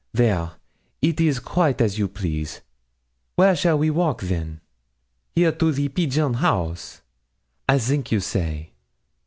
There! It is quite as you please, where we shall walk then? Here to the peegeon house? I think you say.